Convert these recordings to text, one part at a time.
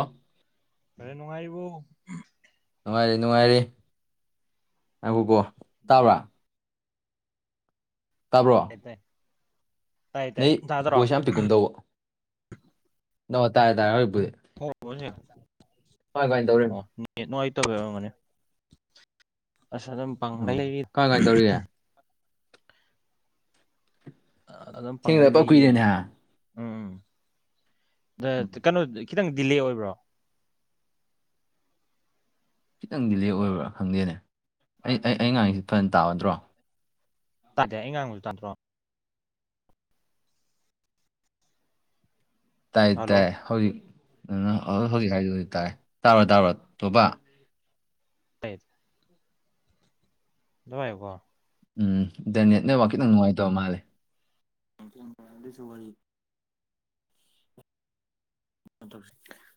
ꯑꯥ ꯑꯔꯦ ꯅꯅꯨꯡꯉꯥꯏꯔꯤꯕꯣ ꯅꯨꯡꯉꯥꯏꯔꯦ ꯅꯨꯡꯉꯥꯏꯔꯦ ꯉꯥꯏꯈꯣꯀꯣ ꯇꯥꯕ꯭ꯔꯥ ꯇꯥꯕ꯭ꯔꯣ ꯇꯥꯏ ꯇꯥꯏ ꯇꯥꯏ ꯅꯩ ꯆꯗ꯭ꯔꯣ ꯚꯣꯏꯁ ꯌꯥꯝ ꯅ ꯇꯥꯏꯦ ꯇꯔꯦ ꯍꯣꯏꯕꯨꯗꯤ [unintelligible] ꯇꯧꯔꯤ ꯍ ꯅꯨꯡꯉꯥꯏꯇꯧ ꯌꯥꯎꯔꯝꯒꯅꯤ ꯑꯁ ꯑꯗꯨꯝ ꯄꯪꯒ ꯎꯝ ꯂꯩꯔꯤꯗ ꯀꯃꯥꯏ ꯀꯃꯥꯏꯅ ꯇꯧꯔꯤꯒꯦ ꯑꯗꯨꯝ ꯄꯥꯡꯂꯩ ꯊꯦꯡꯅꯗꯕ ꯂꯩꯔꯤꯌꯦ ꯀꯨꯏꯔꯦꯅꯦ ꯍꯥ ꯎꯝ ꯑꯗ ꯎꯝ ꯀꯩꯅꯣ ꯈꯤꯇꯪ ꯗꯤꯂꯦ ꯑꯣꯏꯕ꯭ꯔꯣ ꯈꯤꯇꯪ ꯗꯤꯂꯦ ꯑꯣꯏꯕ꯭ꯔꯥ ꯈꯪꯗꯦꯅꯦ ꯑꯩ ꯑꯩꯉꯥꯡꯁꯤ ꯐꯅ ꯇꯥꯒꯗ꯭ꯔꯣ ꯇꯥꯗꯦ ꯑꯩ ꯉꯥꯡꯕꯁꯨ ꯇꯥꯗꯔꯣ ꯇꯥꯏ ꯍꯜꯂꯣ ꯇꯥꯏ ꯍꯧꯖꯤꯛ ꯍꯧꯖꯤꯛ ꯍꯥꯏꯗꯤ ꯍꯧꯖꯤꯛ ꯇꯥꯏ ꯇꯥꯕꯔꯣ ꯇꯥꯕꯔꯣ ꯇꯣꯝꯕ ꯇ [inaudible] ꯑꯃꯇ ꯄꯥꯏꯌꯨꯀꯣ ꯎꯝ ꯗꯥ ꯅꯦꯠ ꯅꯦꯠꯋꯥꯛ ꯈꯤꯇꯪ ꯅꯨꯡꯉꯥꯏꯇꯕ ꯃꯥꯂꯦ ꯅꯤꯡꯦꯡꯁꯟ ꯃꯗꯨꯁꯨ ꯋꯥꯔꯤ [inaudible]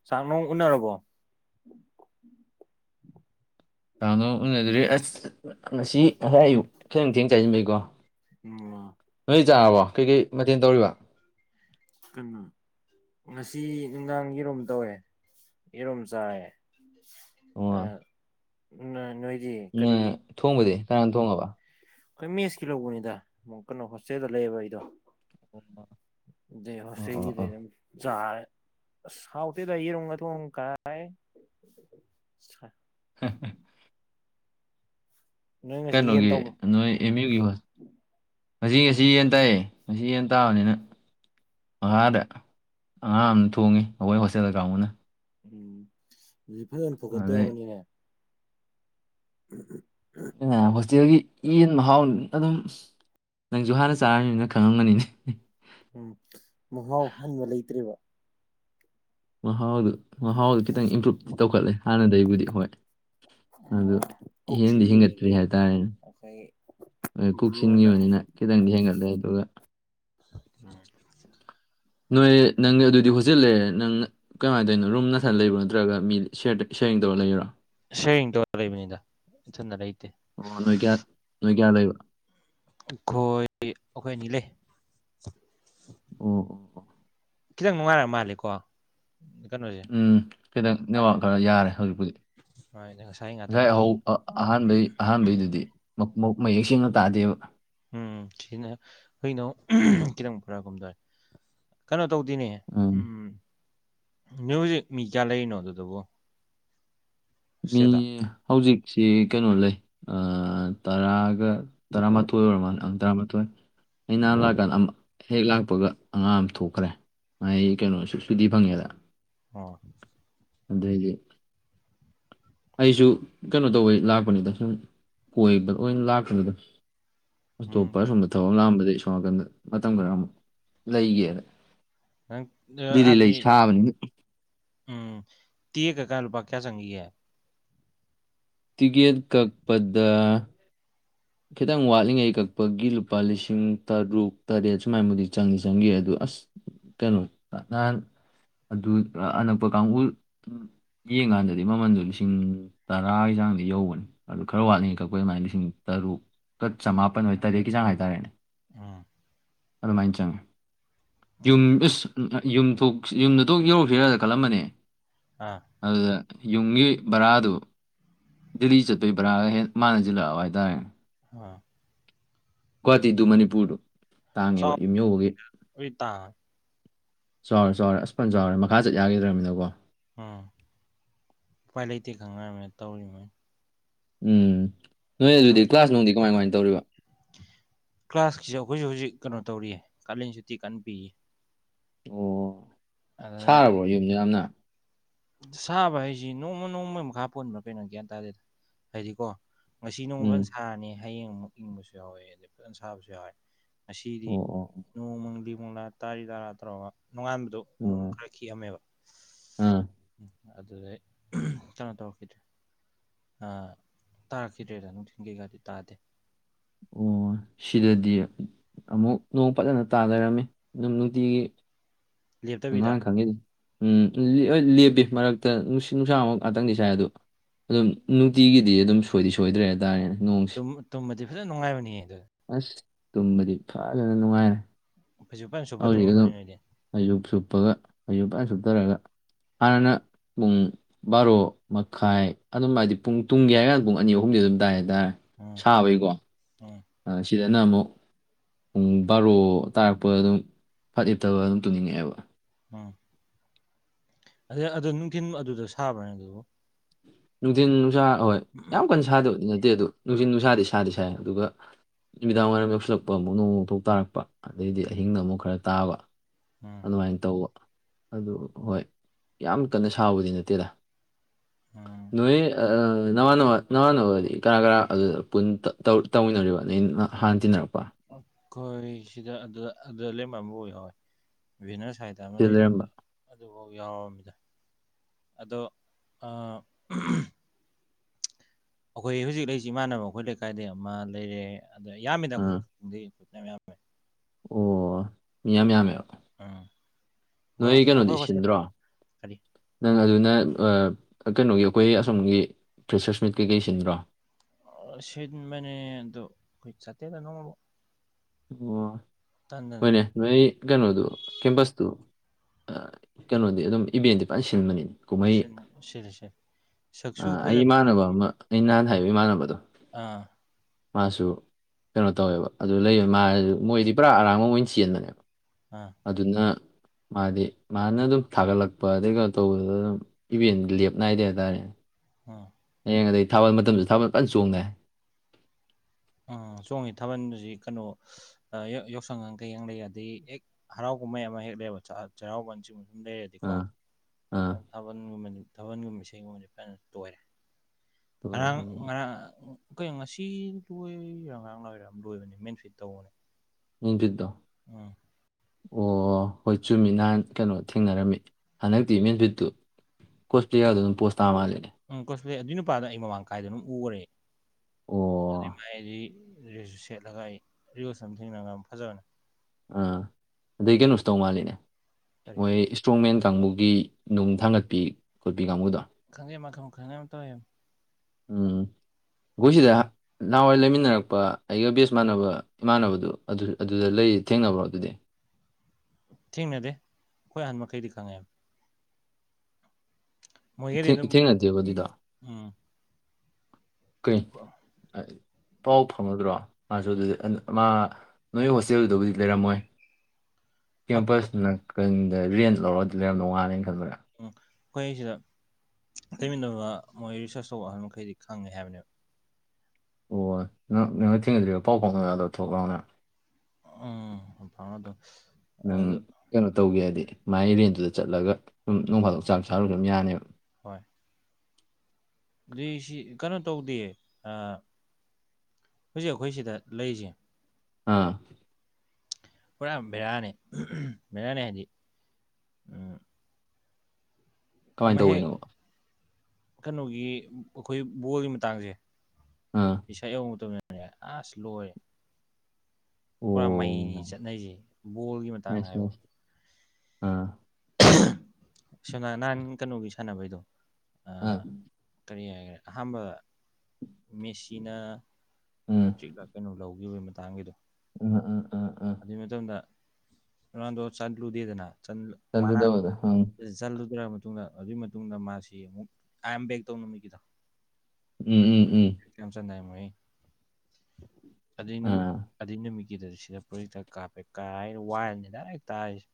ꯆꯥꯛ ꯅꯨꯡ ꯎꯅꯔꯕꯣ ꯀꯅꯥꯝ ꯎꯅꯗꯔꯤ ꯑꯁ ꯉꯁꯤ ꯉꯁꯥꯏ ꯑꯌꯨꯛ ꯊꯦꯡ ꯊꯦꯡ ꯆꯥꯁꯤꯟꯕꯩꯀꯣ ꯎꯝ ꯅꯣꯏ ꯆꯥꯔꯕꯣ ꯀꯩꯀꯩ ꯃꯊꯦꯜ ꯇꯧꯔꯤꯕ ꯀ [inaudible] ꯉꯁꯤ ꯅꯨꯡꯗꯥꯡ ꯌꯦꯔꯨꯝꯝ ꯇꯧꯋꯦ ꯌꯦꯔꯣꯝ ꯆꯥꯏꯌꯦ ꯑꯣ ꯑꯥ ꯅꯣꯏꯗꯤ ꯀꯔꯤ꯫ ꯅꯪ ꯊꯣꯡꯕꯗꯤ ꯀꯔꯅ ꯊꯣꯡꯉꯕ ꯑꯩꯈꯣꯏ ꯃꯦꯁꯀꯤ ꯂꯧꯕꯅꯤꯗ ꯑꯃꯨꯛ ꯀꯩꯅꯣ ꯍꯣꯁꯇꯦꯜꯗ ꯂꯩꯌꯦꯕ ꯑꯩꯗꯣ ꯑꯣ ꯗꯩ ꯑꯣ ꯑꯣ ꯍꯣꯁꯇꯦꯜꯒꯤ ꯆꯥꯔꯦ ꯑꯁ ꯍꯥꯎꯇꯦꯗ ꯌꯦꯔꯨꯝꯒ ꯊꯣꯡ ꯀꯥꯏꯗꯩ꯫ [unintelligible] ꯅꯣꯏ ꯉꯁꯤ ꯌꯦꯟ ꯀꯩꯅꯣꯒꯤ ꯇꯧꯕ ꯅꯣꯏ ꯑꯦꯝ ꯌꯨꯒꯤ ꯍ ꯉ ꯉꯁꯤ ꯌꯦꯟ ꯇꯥꯛꯑꯌꯦꯦ ꯉ ꯌꯦꯟ ꯇꯥꯕꯅꯤꯅ ꯃꯈꯥꯗ ꯑꯉꯥꯡ ꯑꯃ ꯊꯣꯡꯉꯤ ꯑꯩꯈꯣꯏ ꯍꯣꯁꯇꯦꯜꯗ ꯂꯩ ꯀꯥꯡꯕꯨꯅ ꯎꯝ ꯑꯗꯨꯗꯤ ꯐꯖꯅ ꯑꯗꯩ ꯐꯒꯠꯇꯧꯔꯔꯕꯅꯤꯅꯦ [inaudible] ꯎꯝ ꯎꯝ [inaudible] ꯍꯣꯁꯇꯦꯜꯒꯤ ꯌꯦꯟ ꯃꯍꯥꯎ ꯑꯗꯨꯝ ꯅꯪꯁꯨ ꯍꯥꯟꯅ ꯆꯥꯔꯅꯤꯅ ꯈꯪꯉꯝꯒꯅꯤꯅꯦ ꯎꯝ ꯃꯍꯥꯎ ꯍꯟꯕ ꯂꯩꯇ꯭ꯔꯦꯕ ꯃꯍꯥꯎꯗꯨ ꯃꯍꯥꯎꯗꯨ ꯈꯤꯇꯪ ꯏꯝꯄ꯭ꯔꯨꯞ ꯇꯧꯈꯠꯂꯦ ꯍꯥꯟꯅꯗꯒꯤꯕꯨꯗꯤ ꯍꯣꯏ ꯑꯗꯨ ꯀꯣꯛ ꯍꯦꯟꯗꯤ ꯍꯦꯟꯒꯠꯇ꯭ꯔꯤ ꯁꯤꯟꯈꯤꯕꯗꯒꯤ ꯍꯥꯏꯇꯥꯔꯦꯅꯦ ꯑꯩꯈꯣꯏ ꯕ꯭ꯔꯣꯅ ꯀꯣꯛꯁꯤꯟꯈꯤꯕꯅꯤꯅ ꯈꯤꯇꯪꯗꯤ ꯍꯦꯟꯒꯠꯂꯦ ꯑꯗꯨꯒ [inaudible] ꯎꯝ ꯅꯣꯏ ꯅꯪ ꯑꯗꯨꯗꯤ ꯍꯣꯁꯇꯦꯜ ꯂꯩꯔꯦ ꯅꯪ ꯀꯃꯥꯏ ꯇꯧꯅꯣ ꯔꯨꯝ ꯅꯊꯟ ꯂꯩꯕ꯭ꯔꯣ ꯅꯠꯇ꯭ꯔꯒ ꯃꯤ ꯁꯦꯔꯤꯡ ꯇꯧꯔꯒ ꯂꯩꯕꯔꯣ ꯁꯦꯔꯤꯡ ꯇꯧꯔ ꯂꯩꯕꯅꯤꯗ ꯏꯊꯟꯗ ꯂꯩꯇꯦ ꯑꯣ ꯅꯣꯏ ꯀꯌꯥ ꯅꯣꯏ ꯀꯌꯥ ꯂꯩꯕ ꯑꯩꯈꯣꯏ ꯑꯩꯈꯣꯏ ꯑꯅꯤ ꯂꯩ ꯑꯣ ꯑꯣ ꯈꯤꯇꯪ ꯅꯨꯡꯉꯥꯏꯔ ꯃꯥꯜꯂꯦꯀꯣ ꯀꯩꯅꯣꯁꯦ ꯎꯝ ꯈꯤꯇꯪ ꯅꯦꯠꯋꯥꯛ ꯀꯥꯔ ꯌꯥꯔꯦ ꯍꯧꯖꯤꯛꯄꯨꯗꯤ ꯉꯁꯥꯏ ꯉꯥꯛꯇꯪ ꯉꯁꯥꯏ ꯑꯍꯧ ꯑ ꯑꯍꯥꯟꯕꯩ ꯑꯍꯥꯟꯕꯩꯗꯨꯗꯤ ꯃꯌꯦꯛ ꯁꯦꯡꯅ ꯇꯥꯗꯦꯕ ꯎꯝ ꯁꯤꯅ ꯀꯩꯅꯣ ꯈꯤꯇꯪ ꯐꯔꯒꯨꯝ ꯇꯧꯏ ꯀꯩꯅꯣ ꯇꯧꯗꯦꯅꯦ ꯎꯝ ꯅꯣꯏ ꯍꯧꯖꯤꯛ ꯃꯤ ꯀꯌꯥ ꯂꯩꯔꯤꯅꯣ ꯑꯗꯨꯗꯕꯣ ꯃꯤ ꯍꯧꯖꯤꯛꯁꯤ ꯀꯩꯅꯣ ꯂꯩ ꯇꯔꯥꯒ ꯇꯔꯥꯃꯥꯊꯣꯏ ꯑꯣꯏꯔ ꯃꯥꯜꯂꯪ ꯇꯔꯥꯃꯥꯊꯣꯏ ꯑꯩ ꯅꯍꯥꯟ ꯂꯥꯛꯑꯀꯥꯟꯗ ꯑꯃ ꯑꯩ ꯍꯦꯛ ꯂꯥꯛꯄꯒ ꯑꯉꯥꯡ ꯑꯃ ꯊꯣꯛꯈ꯭ꯔꯦ ꯃꯥꯥꯏ ꯀꯩꯅꯣ ꯁꯨꯇꯤ ꯐꯪꯉꯦꯅ ꯑꯣ ꯑꯗꯒꯤ ꯑꯩꯁꯨ ꯀꯩꯅꯣ ꯇꯧꯕꯩ ꯂꯥꯛꯄꯅꯤꯗ ꯁꯨꯝ ꯀꯣꯏꯕ ꯑꯣꯏ ꯂꯥꯛꯄꯅꯤꯗ ꯎꯝ ꯑꯇꯣꯞꯄ ꯑꯁꯨꯝꯕ ꯊꯕꯛ ꯂꯥꯡꯑꯝꯕꯗ ꯁꯣꯝ ꯅꯥꯀꯟꯗ ꯃꯇꯝ ꯈꯔ ꯑꯃꯨꯛ ꯂꯩꯒꯦꯅ ꯅꯪ ꯑ- ꯗꯦꯜꯂꯤ ꯑꯥꯗꯤ ꯂꯩ ꯁꯥꯕꯅꯤ ꯎꯝ ꯇꯤꯀꯦꯠ ꯀꯛꯑꯥ ꯀꯥꯟꯗ ꯂꯨꯄꯥ ꯀꯌꯥ ꯆꯪꯈꯤꯒꯦ ꯇꯤꯀꯦꯠ ꯀꯛꯄꯗ ꯈꯤꯇꯪ ꯋꯥꯠꯂꯤꯉꯩ ꯀꯛꯄꯒꯤ ꯂꯨꯄꯥ ꯂꯤꯁꯤꯡ ꯇꯔꯨꯛ ꯇꯔꯦꯠ ꯁꯨꯃꯥꯏꯕꯨꯗꯤ ꯆꯪꯗꯤ ꯆꯪꯈꯤ ꯑꯗꯨꯗ ꯑꯁ ꯀꯩꯅꯣ ꯅꯍꯥꯟ ꯑꯗꯨ ꯑꯅꯛꯄ ꯀꯥꯡꯕꯨ ꯌꯦꯡꯀꯥꯟꯗꯗꯤ ꯃꯃꯟꯗꯣ ꯂꯤꯁꯤꯡ ꯇꯔꯥꯒꯤ ꯆꯥꯡꯗ ꯌꯧꯕꯅꯤ ꯑꯗꯨ ꯈꯔ ꯋꯥꯠꯂꯤꯉꯩ ꯀꯛꯄꯩ ꯑꯗꯨꯃꯥꯏꯅ ꯂꯤꯁꯤꯡ ꯇꯔꯨꯛꯀ ꯆꯃꯥꯄꯟ ꯑꯣꯏꯣꯏ ꯇꯔꯦꯠꯀꯤ ꯆꯥꯡ ꯍꯥꯏꯇꯥꯔꯦꯅꯦ ꯑꯥ ꯑꯗꯨꯃꯥꯏꯅ ꯆꯪꯉꯦ ꯎꯝ ꯌꯨꯝ ꯏꯁ ꯌꯨꯝꯊ ꯌꯨꯝꯗ ꯊꯣꯛꯣꯛ ꯌꯧꯔꯛꯁꯤꯔꯅ ꯈꯜꯂꯝꯕꯅꯦ ꯑꯥ ꯑꯗꯨꯗ ꯌꯨꯝꯒꯤ ꯕꯔꯥꯗꯣ ꯗꯦꯜꯂꯤ ꯆꯠꯇꯣꯏ ꯕꯔꯥꯒ ꯍꯦꯟ ꯃꯥꯟꯁꯤꯜꯂꯛꯑꯕ ꯍꯥꯏꯇꯥꯔꯦ ꯑ ꯒꯨꯋꯥꯍꯥꯇꯤ ꯇꯨ ꯃꯅꯤꯄꯨꯔꯗꯣ ꯇꯥꯡꯉꯦꯕ ꯆꯥꯎ ꯌꯨꯝ ꯌꯧꯕꯒꯤ ꯇꯥ ꯆꯥꯎꯔꯦ ꯆꯥꯎꯔꯦ ꯑꯁ ꯐꯖꯅ ꯆꯥꯎꯔꯦ ꯃꯈꯥ ꯆꯠ ꯌꯥꯈꯤꯗ꯭ꯔꯃꯤꯅꯀꯣ ꯎꯝ ꯎꯄꯥꯏ ꯂꯩꯇꯦ ꯈꯪꯅꯤꯅ ꯇꯧꯔꯤ ꯃꯣꯏ [inaudible] ꯎꯝ ꯅꯣꯏ ꯑꯗꯨ ꯑꯗꯨꯗꯤ ꯀ꯭ꯂꯥꯁ ꯅꯨꯡꯗꯤ ꯀꯃꯥꯏ ꯀꯃꯥꯏꯅ ꯇꯧꯔꯤꯕ ꯀ꯭ꯂꯥꯁꯀꯤꯁꯨ ꯑꯩꯈꯣꯏꯁꯨ ꯍꯧꯖꯤꯛ ꯀꯩꯅꯣ ꯇꯧꯔꯤꯌꯦ ꯀꯥꯂꯦꯟ ꯁꯨꯇꯤ ꯀꯟꯅ ꯄꯤꯌꯦ ꯑꯣ ꯑꯗꯨꯅ ꯁꯥꯔꯕꯣ ꯌꯨꯝꯗ ꯌꯥꯝꯅ ꯁꯥꯕ ꯍꯥꯏꯁꯤ ꯅꯣꯡꯃ ꯅꯣꯡꯃꯒꯤ ꯃꯈꯥ ꯄꯨꯣꯟꯟꯕ꯭ꯔꯥ ꯀꯩꯅꯣ ꯒ꯭ꯌꯥꯟ ꯇꯥꯔꯦꯗ ꯍꯥꯏꯗꯤꯀꯣ ꯉꯁꯤ ꯅꯣꯡꯃ ꯎꯝ ꯐꯜ ꯁꯥꯔꯅꯤ ꯍꯌꯦꯡ ꯑꯃꯨꯛ ꯏꯪꯕꯁꯨ ꯌꯥꯎꯋꯦ ꯑꯗꯩ ꯐꯖꯅ ꯁꯥꯕꯁꯨ ꯌꯥꯎꯋꯦ ꯉꯗꯤ ꯑꯣ ꯑꯣ ꯅꯣꯡꯃꯪꯂꯤ ꯃꯪꯂꯥ ꯇꯥꯔꯤ ꯇꯥꯔꯥ ꯇꯧꯔꯒ ꯅꯣꯡꯉꯥꯟꯕꯗꯣ ꯑꯣ ꯈꯤꯛꯑꯃꯃꯦꯕ ꯑꯥ ꯎꯝ ꯑꯗꯨꯗ ꯀꯩꯅꯣ ꯇꯧꯔꯛꯈꯤꯗ꯭ꯔꯦ ꯇꯥꯔꯛꯈꯤꯗ꯭ꯔꯦꯗ ꯅꯨꯡꯊꯤꯟ ꯀꯩ ꯒꯥꯗꯤ ꯇꯥꯗꯦ ꯑꯣ ꯁꯤꯗꯗꯤ ꯑꯃꯨꯛ ꯅꯣꯡ ꯐꯖꯅ ꯇꯥꯖꯔꯝꯃꯤ ꯑꯗꯨꯝ ꯅꯨꯡꯇꯤꯒꯤ ꯂꯦꯞꯇꯕꯤꯗ ꯑꯉꯥꯡ ꯈꯪꯉꯤꯗ ꯎꯝ ꯂꯦꯞꯄꯤ ꯃꯔꯛꯇ ꯅꯨꯡꯁꯤꯠ ꯅꯨꯡꯁꯥꯃꯨꯛ ꯉꯥꯛꯇꯪꯗꯤ ꯁꯥꯏ ꯑꯗꯨ ꯑꯗꯨꯝ ꯅꯨꯡꯇꯤꯒꯤꯗꯤ ꯑꯗꯨꯝ ꯁꯣꯏꯗꯤ ꯁꯣꯏꯗ꯭ꯔꯦ ꯍꯥꯏꯇꯥꯔꯦꯅꯦ ꯅꯣꯡꯁꯦ ꯇꯨꯝꯃꯗꯤ ꯐꯖꯅ ꯅꯨꯡꯉꯥꯏꯕꯅꯤꯌꯦ ꯑꯗꯨ ꯑꯁ ꯇꯨꯝꯕꯗꯤ ꯐꯖꯅ ꯅꯨꯡꯉꯥꯏꯔꯦ ꯐꯩꯖꯨꯞ ꯐꯖꯅ ꯁꯨꯞꯕ ꯍꯧꯖꯤꯛ ꯑꯗꯨꯝ ꯇꯨꯝꯑꯃꯅꯤ ꯅꯣꯏꯗꯤ ꯑꯌꯨꯛ ꯁꯨꯞꯄꯒ ꯑꯌꯨꯛ ꯐ ꯁꯨꯞꯊꯔꯒ ꯍꯥꯟꯅꯅ ꯄꯨꯡ ꯕꯥꯔꯣ ꯃꯈꯥꯏ ꯑꯗꯨꯝ ꯍꯥꯏꯗꯤ ꯄꯨꯡ ꯇꯨꯡꯒꯤ ꯍꯥꯏꯀꯥꯟꯗ ꯄꯨꯡ ꯑꯅꯤ ꯑꯍꯨꯝꯗꯤ ꯑꯗꯨꯝ ꯇꯥꯏ ꯍꯥꯏꯇꯥꯔꯦ ꯎꯝ ꯁꯥꯕꯩꯀꯣ ꯎꯝ ꯁꯤꯗꯅ ꯑꯃꯨꯛ ꯄꯨꯡ ꯕꯥꯔꯣ ꯇꯥꯔꯛꯄ ꯑꯗꯨꯝ ꯐꯠ ꯍꯦꯞꯇꯕ ꯑꯗꯨꯝ ꯇꯨꯡꯅꯤꯡꯉꯛꯑꯦꯕ ꯎꯝ ꯑꯗꯩ ꯑꯗꯣ ꯅꯨꯡꯊꯤꯟ ꯑꯗꯨꯗ ꯁꯥꯕ꯭ꯔꯅꯦ ꯑꯗꯨꯕꯨ ꯅꯨꯡꯊꯤꯟꯜ ꯅꯨꯡꯁꯥ ꯍꯣꯏ ꯌꯥꯝ ꯀꯟꯅ ꯁꯥꯗꯕꯗꯤ ꯅꯠꯇꯦ ꯑꯗꯨ ꯅꯨꯡꯊꯤꯟ ꯅꯨꯡꯁꯥꯗꯤ ꯁꯥꯗꯤ ꯁꯥꯏ ꯑꯗꯨꯒ ꯅꯨꯃꯤꯗꯥꯡ ꯋꯥꯏꯔꯝ ꯌꯧꯁꯤꯜꯂꯛꯄ ꯑꯃꯨꯛ ꯅꯣꯡ ꯃꯣꯛꯊꯣꯛ ꯇꯥꯔꯛꯄ ꯑꯗꯗꯒꯤꯗꯤ ꯑꯍꯤꯡꯗ ꯑꯃꯨꯛ ꯈꯔ ꯇꯥꯕ ꯎꯝ ꯑꯗꯨꯃꯥꯏꯅ ꯇꯧꯕ ꯑꯗꯨ ꯍꯣꯏ ꯌꯥꯝ ꯀꯟꯅ ꯁꯥꯕꯗꯤ ꯅꯠꯇꯦꯗ ꯎꯝ ꯅꯣꯏ ꯅꯃꯥꯟꯋꯥ ꯅꯃꯥꯟꯅꯕꯗꯤ ꯀꯔꯥ ꯀꯔ ꯑꯗꯨ ꯇꯧꯃꯤꯟꯅꯔꯤꯕ ꯑ ꯍꯥꯟꯅ ꯇꯤꯟꯅꯔꯛꯄ ꯈꯣꯏ ꯁꯤꯗ ꯑꯗꯨꯗ ꯑꯗꯨꯗ ꯂꯦꯝꯕ ꯑꯃ ꯑꯣꯏ ꯍꯣꯏ ꯚꯅ ꯁꯥꯏ ꯌꯥꯝꯔ ꯁꯤꯗ ꯂꯩꯔꯝꯕ ꯑꯗꯨꯐꯥꯎ ꯌꯥꯎꯔꯕꯝꯃꯤꯗ ꯑꯗꯣ ꯑꯩꯈꯣꯏ ꯍꯧꯖꯤꯛ ꯂꯩꯁꯤ ꯏꯃꯥꯟꯅꯕ ꯑꯩꯈꯣꯏ ꯂꯩꯀꯥꯏꯗꯩ ꯑꯃ ꯂꯩꯔꯦ ꯑꯗ ꯌꯥꯝꯃꯤꯗ ꯑꯥ ꯑꯩꯈꯣꯏ ꯌꯥꯝꯃꯦ ꯑꯣ ꯃꯤ ꯌꯥꯝ ꯌꯥꯝꯃꯦꯕ ꯑꯥ ꯅꯣꯏ ꯀꯩꯅꯣꯗꯤ ꯏꯁꯤꯟꯗ꯭ꯔꯣ ꯀꯔꯤ ꯅꯪ ꯑꯗꯨꯅ ꯀꯩꯅꯣꯒꯤ ꯑꯩꯈꯣꯏ ꯑꯁꯣꯝꯒꯤ ꯐ꯭ꯔꯦꯁꯔꯁ ꯃꯤꯠ ꯀꯩꯀꯩ ꯁꯤꯟꯕ꯭ꯔꯣ ꯁꯤ ꯃꯅꯦ ꯑꯗꯨ ꯑꯩꯈꯣꯏ ꯆꯠꯇꯦꯗ ꯅꯣꯡ ꯑꯣ ꯐꯅꯤ ꯅ ꯑꯩ ꯀꯩꯅꯣꯗꯣ ꯀꯦꯝꯄꯁꯇꯨ ꯀꯩꯅꯣꯗꯤ ꯑꯗꯨꯝ ꯏ ꯚ ꯑꯦꯟꯗꯤ ꯄꯥꯏ ꯁꯤꯟꯕꯅꯤꯅ ꯁꯦ ꯁꯦ ꯑꯩ ꯏꯃꯥꯟꯅꯕ ꯑꯃ ꯑꯩ ꯅꯍꯥꯟ ꯍꯥꯏꯕ ꯏꯃꯥꯟꯅꯕꯗꯣ ꯑꯥ ꯃꯥꯁꯨ ꯀꯩꯅꯣ ꯇꯧꯋꯦꯕ ꯑꯗꯨ ꯂꯩ ꯃꯥ ꯃꯣꯏꯗꯤ ꯄꯨꯔꯥ ꯑꯔꯥꯡꯕ ꯃꯣꯏ ꯑꯣꯏꯅ ꯆꯦꯟꯕꯅꯦꯕ ꯑꯥ ꯑꯗꯨꯅ ꯃꯥꯗꯤ ꯃꯥꯅ ꯑꯗꯨꯝ ꯊꯥꯒꯠꯂꯛꯄ ꯑꯗꯩ ꯀꯩꯅꯣ ꯇꯧꯕꯗꯨꯗ ꯑꯗꯨꯝ ꯏꯚꯦꯟꯗꯤ ꯂꯦꯞ ꯅꯥꯏꯗꯦ ꯍꯥꯏꯇꯥꯔꯦ ꯎ ꯍꯌꯦꯡ ꯑꯗꯗꯒꯤ ꯊꯥꯕꯜ ꯃꯇꯝꯗꯁꯨ ꯊꯥꯕꯜ ꯐꯅ ꯆꯣꯡꯅꯩ ꯆꯣꯡꯉꯤ ꯊꯥꯕꯜꯁꯤ ꯀꯩꯅꯣ ꯌꯥꯎꯁꯪꯒ ꯀꯩꯀꯪ ꯂꯩ ꯑꯗꯩ ꯍꯦꯛ ꯍꯔꯥꯎ ꯀꯨꯝꯍꯩ ꯑꯃ ꯍꯦꯛ ꯂꯩꯕ ꯆꯩꯔꯥꯎꯕꯆꯤꯡꯕ ꯁꯨꯝ ꯂꯩꯔꯗꯤꯀꯣ ꯑꯥ ꯑꯥ ꯊꯥꯕꯜꯒꯨꯝꯕꯕꯁꯤ ꯊꯥꯕꯜꯒꯨꯝꯕ ꯏꯁꯩꯒꯨꯝꯕꯁ ꯐꯖꯅ ꯇꯣꯏꯔꯦ ꯍꯣꯏ ꯉꯔꯥꯡ ꯉꯔꯥꯡ ꯑꯩꯈꯣꯏ ꯉꯁꯤ ꯂꯣꯏꯔꯥ ꯉꯔꯥꯡ ꯂꯣꯏꯔ ꯂꯣꯏꯕꯅꯦ ꯃꯦꯟ ꯐꯤꯠ ꯇꯧꯕꯅꯦ ꯌꯦꯖꯗꯣ ꯎꯝ ꯑꯣ ꯍꯣꯏ ꯆꯨꯝꯃꯤ ꯅꯍꯥꯟ ꯀꯩꯅꯣ ꯊꯦꯡꯅꯔꯝꯃꯤ ꯍꯟꯗꯛꯇꯤ ꯃꯦꯟꯐꯨꯠꯇꯨ ꯀꯣꯁ ꯄ꯭ꯂꯌꯥꯔ ꯑꯗꯨꯝꯣ ꯇꯥ ꯃꯥꯂꯅꯦ ꯎꯝ ꯀꯣꯁꯨ ꯂꯩ ꯑꯗꯨꯏ ꯅꯨꯄꯥꯗ ꯑꯩ ꯃꯃꯥꯡ ꯀꯥꯏꯗ ꯑꯗꯨꯝ ꯎꯈꯔꯦ ꯑꯣ ꯑꯗꯨꯏ ꯃꯥꯏꯗꯤ ꯔꯤꯜꯁ ꯁꯦꯠꯂꯒ ꯑꯩ ꯔꯤꯜꯁ ꯑꯃ ꯊꯦꯡꯅꯔꯒ ꯐꯖꯕꯅꯦ ꯑꯥ ꯑꯗꯩ ꯀꯩꯅꯣꯁꯨ ꯇꯧ ꯃꯥꯜꯂꯤꯅꯦ ꯀꯔꯤ ꯃꯣꯏ ꯏꯁꯇ꯭ꯔꯣꯡꯃꯦꯟ ꯀꯥꯡꯕꯨꯒꯤ ꯅꯨꯡ ꯊꯥꯡꯒꯠꯄꯤ ꯈꯣꯠꯄꯤ ꯀꯥꯡꯕꯨꯗꯣ ꯈꯪꯉꯦ ꯃꯈꯜ ꯈꯪꯉꯦ ꯑꯃ ꯇꯧꯋꯦ ꯎꯝ ꯑꯩꯈꯣꯏ ꯁꯤꯗ ꯅꯍꯥꯟꯋꯥꯏ ꯂꯩꯃꯤꯟꯅꯔꯛꯄ ꯑꯩꯒ ꯕꯦꯁ ꯃꯥꯟꯅꯕ ꯏꯃꯥꯟꯅꯕꯗꯨ ꯑꯗꯨ ꯑꯗꯨꯗ ꯂꯩ ꯊꯦꯡꯅꯕ꯭ꯔꯣ ꯑꯗꯨꯗꯤ ꯊꯦꯡꯅꯗꯦ ꯑꯩꯈꯣꯏ ꯑꯍꯟ ꯃꯈꯩꯗꯤ ꯈꯪꯉꯦꯕ ꯃꯣꯏꯒꯗꯤ ꯑꯗꯨꯝ ꯊꯦꯡꯅꯗꯦꯕ ꯑꯗꯨꯗ ꯀꯩ ꯍ [unintelligible] ꯄꯥꯎ ꯐꯪꯉꯗ꯭ꯔꯣ ꯃꯥꯁꯨ ꯑꯗꯨꯗꯤ ꯃꯥ ꯅꯣꯏ ꯍꯣꯁꯇꯦꯜꯗꯨꯗꯕꯨꯗꯤ ꯂꯩꯔꯝꯃꯣꯏ ꯑꯇꯣꯞꯄ ꯀꯦꯝꯄꯁꯅ ꯀꯗ ꯔꯦꯟꯠ ꯂꯧꯔꯒꯗꯤ ꯂꯩꯔꯝꯗ ꯋꯥꯂꯦꯅ ꯈꯟꯕ꯭ꯔꯥ ꯎ ꯑꯩꯈꯣꯏ ꯁꯤꯗ ꯂꯩꯃꯤꯟꯅꯕ ꯃꯣꯏ ꯔꯤꯁꯔꯁ ꯇꯧꯕ ꯑꯍꯜ ꯃꯈꯩꯗꯤ ꯈꯪꯉꯦ ꯍꯥꯏꯕꯅꯦꯕ ꯑꯣ ꯅꯪ ꯅꯪꯅ ꯊꯦꯡꯅꯗ꯭ꯔꯤꯕ ꯄꯥꯎ ꯐꯥꯎꯅꯗꯣ ꯊꯣꯛ ꯂꯎꯅꯦ ꯎ ꯐꯥꯎꯅ ꯑꯗꯨꯝ ꯅꯪ ꯑꯗꯨ ꯀꯩꯅꯣ ꯇꯧꯒꯦ ꯍꯥꯏꯗꯤ ꯃꯥꯥꯏ ꯔꯦꯟꯖꯇꯨꯗ ꯆꯠꯂꯒ ꯁꯨꯝ ꯅꯣꯡꯐꯥꯗꯣꯛ ꯆꯥꯛ ꯆꯥꯔꯨꯔ ꯁ ꯑꯗꯨꯨꯝ ꯌꯥꯅꯦꯕ ꯍꯣꯏ ꯑꯗꯨꯏ ꯁꯤ ꯀꯩꯅꯣ ꯇꯧꯗꯦ ꯍꯧꯖꯤꯛ ꯑꯩꯈꯣꯏ ꯁꯤꯗ ꯂꯩꯔꯤꯁꯦ ꯑꯥ ꯄꯨꯔꯥ ꯕꯦꯔꯥꯅꯦ ꯕꯦꯔꯥꯅꯦ ꯍꯥꯏꯗꯤ ꯎꯝ ꯀꯃꯥꯏꯅ ꯑꯃ ꯍꯦꯛ ꯇꯧꯕꯅꯣ ꯀꯩꯅꯣꯒꯤ ꯑꯩꯈꯣꯏ ꯕꯣꯜꯒꯤ ꯃꯇꯥꯡꯁꯦ ꯑꯥ ꯄꯩꯁꯥ ꯌꯎꯧꯕ ꯃꯇꯝꯅꯤꯅꯦ ꯑꯁ ꯂꯣꯏꯔꯦ ꯑꯣ ꯄꯨꯔꯥ ꯃꯩꯅꯤ ꯆꯠꯅꯔꯤꯁꯦ ꯕꯣꯜꯒꯤ ꯃꯇꯥꯡꯗ ꯑꯁ ꯍꯥꯏꯕꯣ ꯑꯁ ꯑꯥ ꯁꯣꯅꯥ ꯅꯍꯥꯟ ꯀꯩꯅꯣꯒꯤ ꯁꯥꯟꯅꯕꯩꯗꯣ ꯑ ꯀꯔꯤ ꯍꯥꯏꯒꯦ ꯑꯍꯥꯟꯕꯗ ꯃꯦꯁꯤꯅꯥ ꯎꯝ ꯀꯩꯅꯣ ꯂꯧꯈꯤꯕꯒꯤ ꯃꯇꯥꯡꯒꯤꯗꯣ ꯎꯝ ꯎꯝ ꯎꯝ ꯎꯝ ꯑꯗꯨ ꯃꯇꯝꯗ ꯅꯥꯡꯗꯣ ꯆꯜꯂꯨꯗꯦꯗꯅꯅꯥ ꯆꯠꯀꯗꯧꯕꯗꯣ ꯎꯝ ꯆꯜꯂꯨꯗ꯭ꯔ ꯃꯇꯨꯡꯗ ꯑꯗꯨꯒꯤ ꯃꯇꯨꯡꯗ ꯃꯥꯁꯤ ꯑꯃꯨꯛ ꯑꯥꯏ ꯑꯦꯝ ꯕꯦꯛ ꯇꯧ ꯅꯨꯃꯤꯠꯒꯤꯗꯣ ꯎꯝ ꯎꯝ ꯎꯝ ꯌꯥꯝ ꯆ ꯏ ꯃꯣꯏ ꯑꯗꯨꯏ ꯅꯨꯃꯤ ꯑꯥ ꯑꯗꯨꯏ ꯅꯨꯃꯤꯠꯀꯤꯗ ꯁꯤꯗ ꯐꯖꯤꯛꯇ ꯀꯥꯞꯄꯦ ꯀꯥꯥꯏꯅ ꯋꯥꯏꯔꯅꯤꯅ ꯍꯦꯛ ꯇꯥꯔꯤꯁꯦ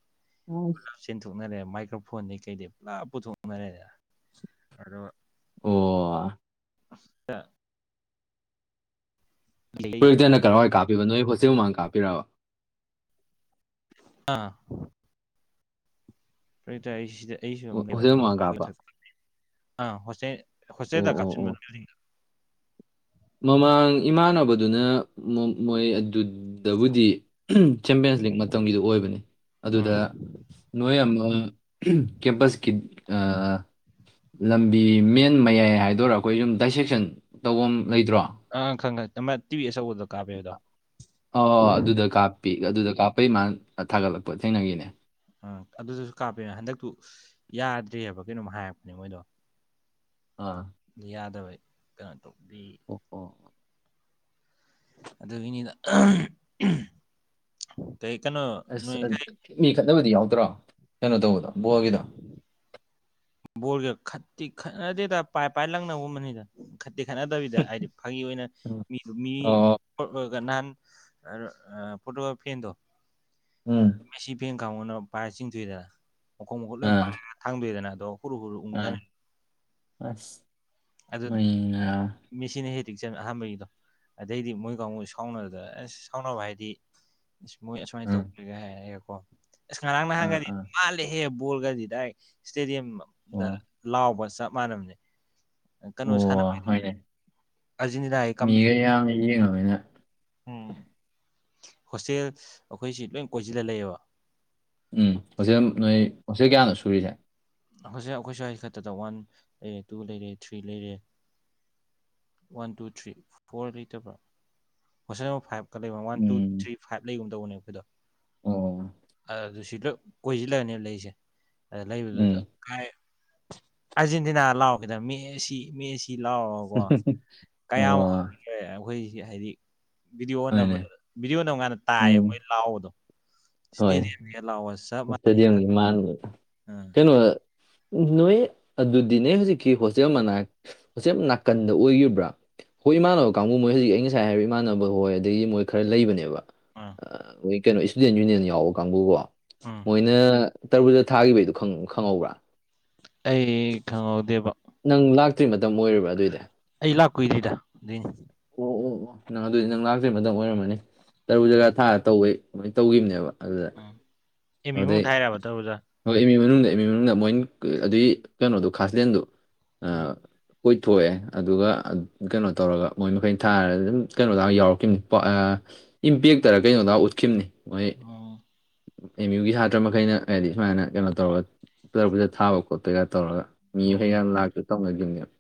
ꯑ ꯄꯨꯂꯞ ꯆꯦꯟꯊꯣꯛꯅꯔꯦ ꯃꯥꯏꯀ꯭ꯔꯣꯐꯣꯟꯗꯤ ꯀꯩꯗꯤ ꯄꯨꯂꯞ ꯄꯨꯊꯣꯛꯅꯔꯦꯗ ꯑꯗꯣ ꯑꯣ ꯑ [unintelligible] ꯐꯨꯛꯇꯦ ꯀꯏꯋꯥꯏ ꯀꯞꯄꯤꯕ ꯅꯣꯏꯣꯁꯦꯜ ꯃꯃꯥꯡ ꯀꯥꯞꯄꯤꯔꯕ ꯑꯥ ꯐꯔꯦ ꯇꯔꯦ ꯁꯤꯗ ꯑꯩꯁꯨ ꯑꯣ ꯑꯃ ꯂꯩꯕ ꯍꯣꯁꯇꯦꯜ ꯑꯗꯨꯅ ꯃꯃꯥꯡ ꯀꯥꯞꯄ ꯑꯩꯈꯣꯏ ꯑꯥ ꯍꯣꯁꯇꯦꯜ ꯑꯣ ꯍꯣꯁꯇꯦꯜꯗ ꯑꯣ ꯀꯥꯞꯁꯤꯟꯕ ꯑꯣ ꯅ ꯃꯃꯥꯡ ꯏꯃꯥꯟꯅꯕꯗꯨꯅ ꯃꯣꯏ ꯑꯗꯨꯗꯕꯨꯗꯤ ꯆꯦꯝꯄꯤꯌꯟꯁ ꯂꯤꯛ ꯃꯇꯝꯒꯤꯗꯨ ꯑꯣꯏꯕꯅꯤ ꯎꯝ ꯑꯗꯨꯗ ꯅꯣꯏ ꯑꯃ ꯀꯦꯝꯄꯁꯀꯤ ꯂꯝꯕꯤ ꯃꯦꯟ ꯃꯌꯥꯏ ꯍꯥꯏꯗꯣꯏꯔꯥ ꯑꯩꯈꯣꯏ ꯁꯨꯝ ꯗꯥꯏꯁꯦꯛꯁꯟ ꯇꯧꯕ ꯂꯩꯇ꯭ꯔꯣ ꯑꯪ ꯈꯪ ꯈꯪ ꯇꯤꯚꯤ ꯑꯆꯧꯕꯗ ꯀꯥꯕꯤꯦꯕꯗꯣ ꯑ ꯑꯗꯨꯗ ꯀꯥꯞꯄꯤ ꯑꯗꯨꯗ ꯀꯥꯞꯄꯩ ꯃꯥꯅ ꯊꯥꯒꯠꯂꯛꯄ ꯊꯦꯡꯅꯈꯤꯅꯦ ꯑꯥ ꯑꯗꯨꯗꯁꯨ ꯀꯥꯞꯄꯦ ꯍꯟꯗꯛꯇꯨ ꯌꯥꯗ꯭ꯔꯦꯑꯕ ꯀꯩꯅꯣꯝꯃ ꯍꯥꯏꯔꯛꯄꯅꯦ ꯃꯣꯏꯗꯣ ꯑꯥ ꯌꯥꯗꯕ ꯀꯩꯅꯣ ꯇꯧꯕꯤ ꯑꯣꯄꯣꯛ ꯑꯗꯨ ꯏꯅꯤꯗ ꯑꯁ ꯃꯤ ꯈꯠꯅꯕꯗꯤ ꯌꯥꯎꯗ꯭ꯔꯣ ꯀꯩꯅꯣ ꯇꯧꯕꯗ ꯕꯣꯜꯒꯤꯗ ꯕꯣꯔꯒꯠꯇꯤ ꯈꯠꯅꯗꯦꯗ ꯄꯥꯏꯞ ꯄꯥꯏ ꯂꯪꯅꯒꯨꯝꯕꯅꯤꯗ ꯎ ꯈ ꯐꯠꯇꯦ ꯈꯠꯅꯗꯕꯤꯗ ꯍꯥꯏꯗꯤ ꯐꯥꯒꯤ ꯑꯣꯏꯅ ꯎꯝ. ꯃꯤꯗꯨ ꯃꯤ ꯑꯣ ꯅꯍꯥꯟ ꯐꯣꯇꯣꯒ꯭ꯔꯥꯐꯦꯟꯗꯣ ꯎꯝ ꯃꯦꯁꯤ ꯐꯦꯟ ꯈ ꯀꯥꯡꯉꯅ ꯄꯥꯏꯔ ꯆꯤꯡꯊꯣꯏꯏꯗꯅ ꯃꯈꯣꯛ ꯃꯈꯨꯠ ꯂꯣꯏ ꯄꯥꯏꯔꯒ ꯊꯥꯡꯗꯣꯏꯗꯅ ꯑꯗꯣ ꯍꯨꯔꯨ ꯍꯨꯔꯨ ꯎꯪ ꯑꯥ ꯁꯥꯟꯅꯩ ꯑꯁ ꯑ ꯃꯤꯦꯁꯤꯅ ꯍꯦꯛꯇꯤꯛ ꯆꯪ ꯑꯍꯥꯟꯕꯒꯤꯗꯣ ꯑꯗꯩꯗꯤ ꯃꯣꯏ ꯀꯥꯡꯕꯨ ꯁꯥꯎꯅꯔꯗ ꯑꯁ ꯁꯥꯎꯅꯕ ꯍꯥꯏꯗꯤ ꯃꯣꯏ ꯑꯁꯁꯨꯃꯥꯏꯅ ꯇꯧꯒꯦ ꯍꯥꯏꯔꯒꯦ ꯀꯣ ꯑꯁ ꯉꯔꯥꯡ ꯅꯍꯪꯒꯗꯤ ꯍꯦ ꯕꯣꯜꯒꯗꯤ ꯗꯥꯏꯔꯦꯛ ꯏꯁꯇꯦꯗꯤꯌꯝꯗ ꯂꯥꯎꯕ ꯆꯞ ꯃꯥꯟꯅꯕꯅꯦ ꯀꯩꯅꯣ ꯁꯥꯟꯅꯕ ꯑꯔꯖꯦꯟꯇꯅꯥ ꯀ ꯎꯝ ꯍꯣꯁꯇꯦꯜ ꯑꯩꯈꯣꯏꯁꯤ ꯂꯣꯏ ꯀꯣꯏꯁꯤꯜꯂ ꯂꯩꯌꯦꯕ ꯎꯝ ꯍꯖꯤꯦꯜ ꯅꯣꯏ ꯍꯧꯣꯖꯤꯛ ꯀꯌꯥꯅꯣ ꯁꯨꯔꯤꯁꯦ ꯍꯧꯖꯤꯛ ꯑꯩꯈꯣꯏ ꯁ꯭ꯋꯥꯏ ꯈꯛꯇꯗ ꯋꯥꯟ ꯂꯩꯔꯦ ꯇꯨ ꯂꯩꯔꯦ ꯊ꯭ꯔꯤ ꯂꯩꯔꯦ ꯋꯥꯟ ꯇꯨ ꯊ꯭ꯔꯤ ꯐꯣꯔ ꯂꯩꯇꯕ꯭ꯔꯥ ꯐꯣꯁꯟ ꯅꯝꯕꯔ ꯐꯥꯏꯚꯀ ꯂꯩꯕꯣ ꯋꯥꯟ ꯇꯨ ꯊ꯭ꯔꯤ ꯐꯥꯏꯚ ꯂꯩꯒꯨꯝ ꯇꯧꯕꯅꯦ ꯑꯩꯈꯣꯏꯗꯣ ꯑꯗꯨ ꯁꯤꯗ ꯀꯣꯏꯁꯤꯜꯂꯛꯑꯅꯦꯕ ꯂꯩꯁꯦ ꯑꯗ ꯂꯩꯕꯗꯨꯗ ꯀꯥꯏ ꯑꯥꯔꯖꯦꯟꯇꯤꯅꯥ ꯂꯥꯎꯈꯤꯦꯗ ꯃꯦ ꯑꯁꯤ ꯃꯦꯁꯤ ꯂꯥꯎ ꯎꯝ ꯀꯌꯥ ꯑꯃꯦ ꯑꯩꯈꯣꯏꯁꯤ ꯍꯥꯏꯗꯤ ꯚꯤꯗꯤꯑꯣ ꯚꯤꯗꯤꯑꯣ ꯅꯝ ꯀꯥꯟꯗ ꯇꯥꯏꯌꯦ ꯃꯣꯏ ꯂꯥꯛꯑꯣꯗꯣ ꯏꯁꯇꯦꯗꯤꯌꯝꯒꯤ ꯂꯥꯛꯑꯣꯁ ꯏꯁꯇꯦꯗꯤꯌꯝꯒꯤ ꯃꯥꯟꯕꯥꯟꯕꯗ ꯅꯣꯏ ꯑꯗꯨꯗꯤꯅꯦ ꯍꯧꯖꯤꯛꯀꯤ ꯍꯣꯁꯇꯦꯜ ꯃꯅꯥꯛ ꯅꯥꯀꯟꯗ ꯑꯣꯏꯈꯤꯕ꯭ꯔꯥ ꯍꯣꯏ ꯏꯃꯥꯟꯅꯕ ꯀꯥꯡꯕꯨ ꯃꯣꯏ ꯍꯧꯖꯤꯛ ꯑꯩ ꯉꯁꯥꯏ ꯍꯥꯏꯔꯤꯕ ꯏꯃꯥꯟꯅꯕ ꯍꯣꯏ ꯑꯗꯒꯤ ꯃꯣꯏ ꯈꯔ ꯂꯩꯕꯅꯦꯕ ꯑꯥ ꯃꯣꯏ ꯀꯩꯅꯣ ꯏꯁꯇꯨꯗꯦꯟ ꯌꯨꯅꯤꯌꯟ ꯌꯥꯎꯕ ꯀꯥꯡꯕꯨꯀꯣ ꯎꯝ ꯃꯣꯏꯅ ꯇꯔꯕꯨꯖ ꯊꯥꯈꯤꯕꯒꯤꯗꯣ ꯈꯪꯍꯧꯕ꯭ꯔꯥ ꯑꯩ ꯈꯪꯍꯧꯗꯦꯕꯣ ꯅꯪ ꯂꯥꯛꯇ꯭ꯔꯤ ꯃꯇꯝ ꯑꯣꯏꯔꯕ ꯑꯗꯨ ꯑꯣꯏꯗꯤ ꯑꯩ ꯂꯥꯛ ꯀꯨꯏꯗꯔꯤꯗ ꯑꯗꯨꯢꯅꯦ ꯑꯣ ꯑꯣ ꯑꯣ ꯅꯪ ꯑꯗꯨꯗꯤ ꯅꯪ ꯂꯥꯛꯇ꯭ꯩ ꯃꯪ ꯑꯣꯏꯔꯝꯃꯅꯤ ꯇꯔꯨ ꯎꯝ ꯖꯒꯥ ꯊꯥꯒ ꯇꯧꯕꯩ ꯀꯃꯥꯏ ꯇꯧꯈꯤꯕꯅꯦꯕ ꯑꯗꯨꯗ [unintelligible] ꯑꯗꯨꯗꯩ ꯊꯥꯏꯔꯕ ꯇꯧꯕꯗꯣ ꯍ ꯏꯃꯤ ꯃꯅꯨꯡꯗ ꯏꯃ ꯃꯅꯨꯡꯗ ꯃꯣꯏ ꯑꯗꯨꯏ ꯀꯩꯅꯣꯗꯨꯣ ꯈꯥꯁꯂꯦꯟꯗꯨꯣ ꯑ ꯎꯝ ꯀꯣꯏꯊꯣꯛꯑꯦ ꯑꯗꯨꯒ ꯀꯩꯅꯣ ꯇꯧꯔꯒ ꯃꯣꯏ ꯃꯈꯩꯅ ꯊꯥꯔꯒ ꯑꯗꯨꯝ ꯀꯩꯅꯣ ꯇꯥꯛꯑꯒ ꯌꯥꯎꯔꯛꯈꯤꯕꯅꯤ ꯏꯝꯄꯦꯛꯇꯔ ꯀꯩꯅꯣꯗ ꯎꯠꯈꯤꯕꯅꯤ ꯃꯣꯏ ꯑꯣ ꯑꯦꯝ ꯌꯨꯒꯤ ꯁꯥꯇ꯭ꯔ ꯃꯈꯩꯅ ꯍꯥꯏꯗꯤ ꯁꯨꯃꯥꯏꯅ ꯀꯩꯅꯣ ꯇꯧꯔꯒ ꯇꯔꯥ ꯄꯨꯖ ꯊꯕ ꯈꯣꯠ ꯈꯣꯠꯄꯩꯒ ꯇꯧꯔꯒ ꯃꯣꯏꯗꯤ ꯃꯤꯈꯩꯒ ꯂꯥꯛꯇ ꯇꯧꯅꯈꯤꯕꯅꯦꯕ